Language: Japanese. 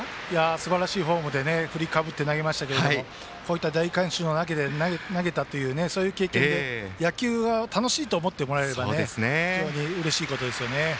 すばらしいフォームで振りかぶって投げましたがこういった大観衆の中で投げたというそういう経験で野球が楽しいと思ってもらえれば非常にうれしいことですね。